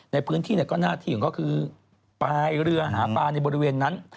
ในพื้นที่ก็หน้าที่ของเขาคือปลายเรือหาปลาในบริเวณนั้น